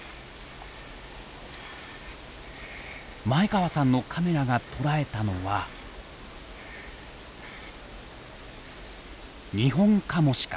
前川さんのカメラが捉えたのはニホンカモシカ。